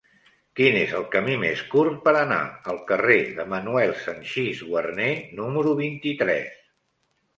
Quin és el camí més curt per anar al carrer de Manuel Sanchis Guarner número vint-i-tres?